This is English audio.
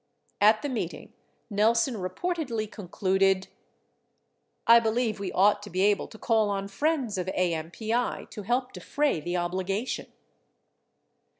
At the meeting, Nelson reportedly concluded : 1 believe we ought to be able to call on friends of AMPI to help defray the obligation.